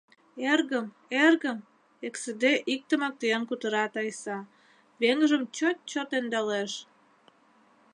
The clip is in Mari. — Эргым, эргым... — эксыде иктымак тӱен кутыра Тайса, веҥыжым чот-чот ӧндалеш.